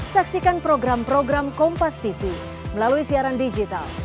saksikan program program kompas tv melalui siaran digital